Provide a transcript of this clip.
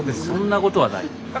そんなことはない？